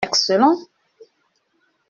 Excellent.